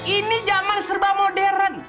ini jaman serba modern